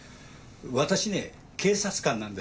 私ね警察官なんです。